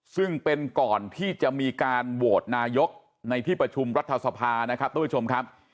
ซึ่งเป็นก่อนที่จะมีการโหวตนายกในที่ประชุมรัฐสภานะครับทุกผู้ชมครับ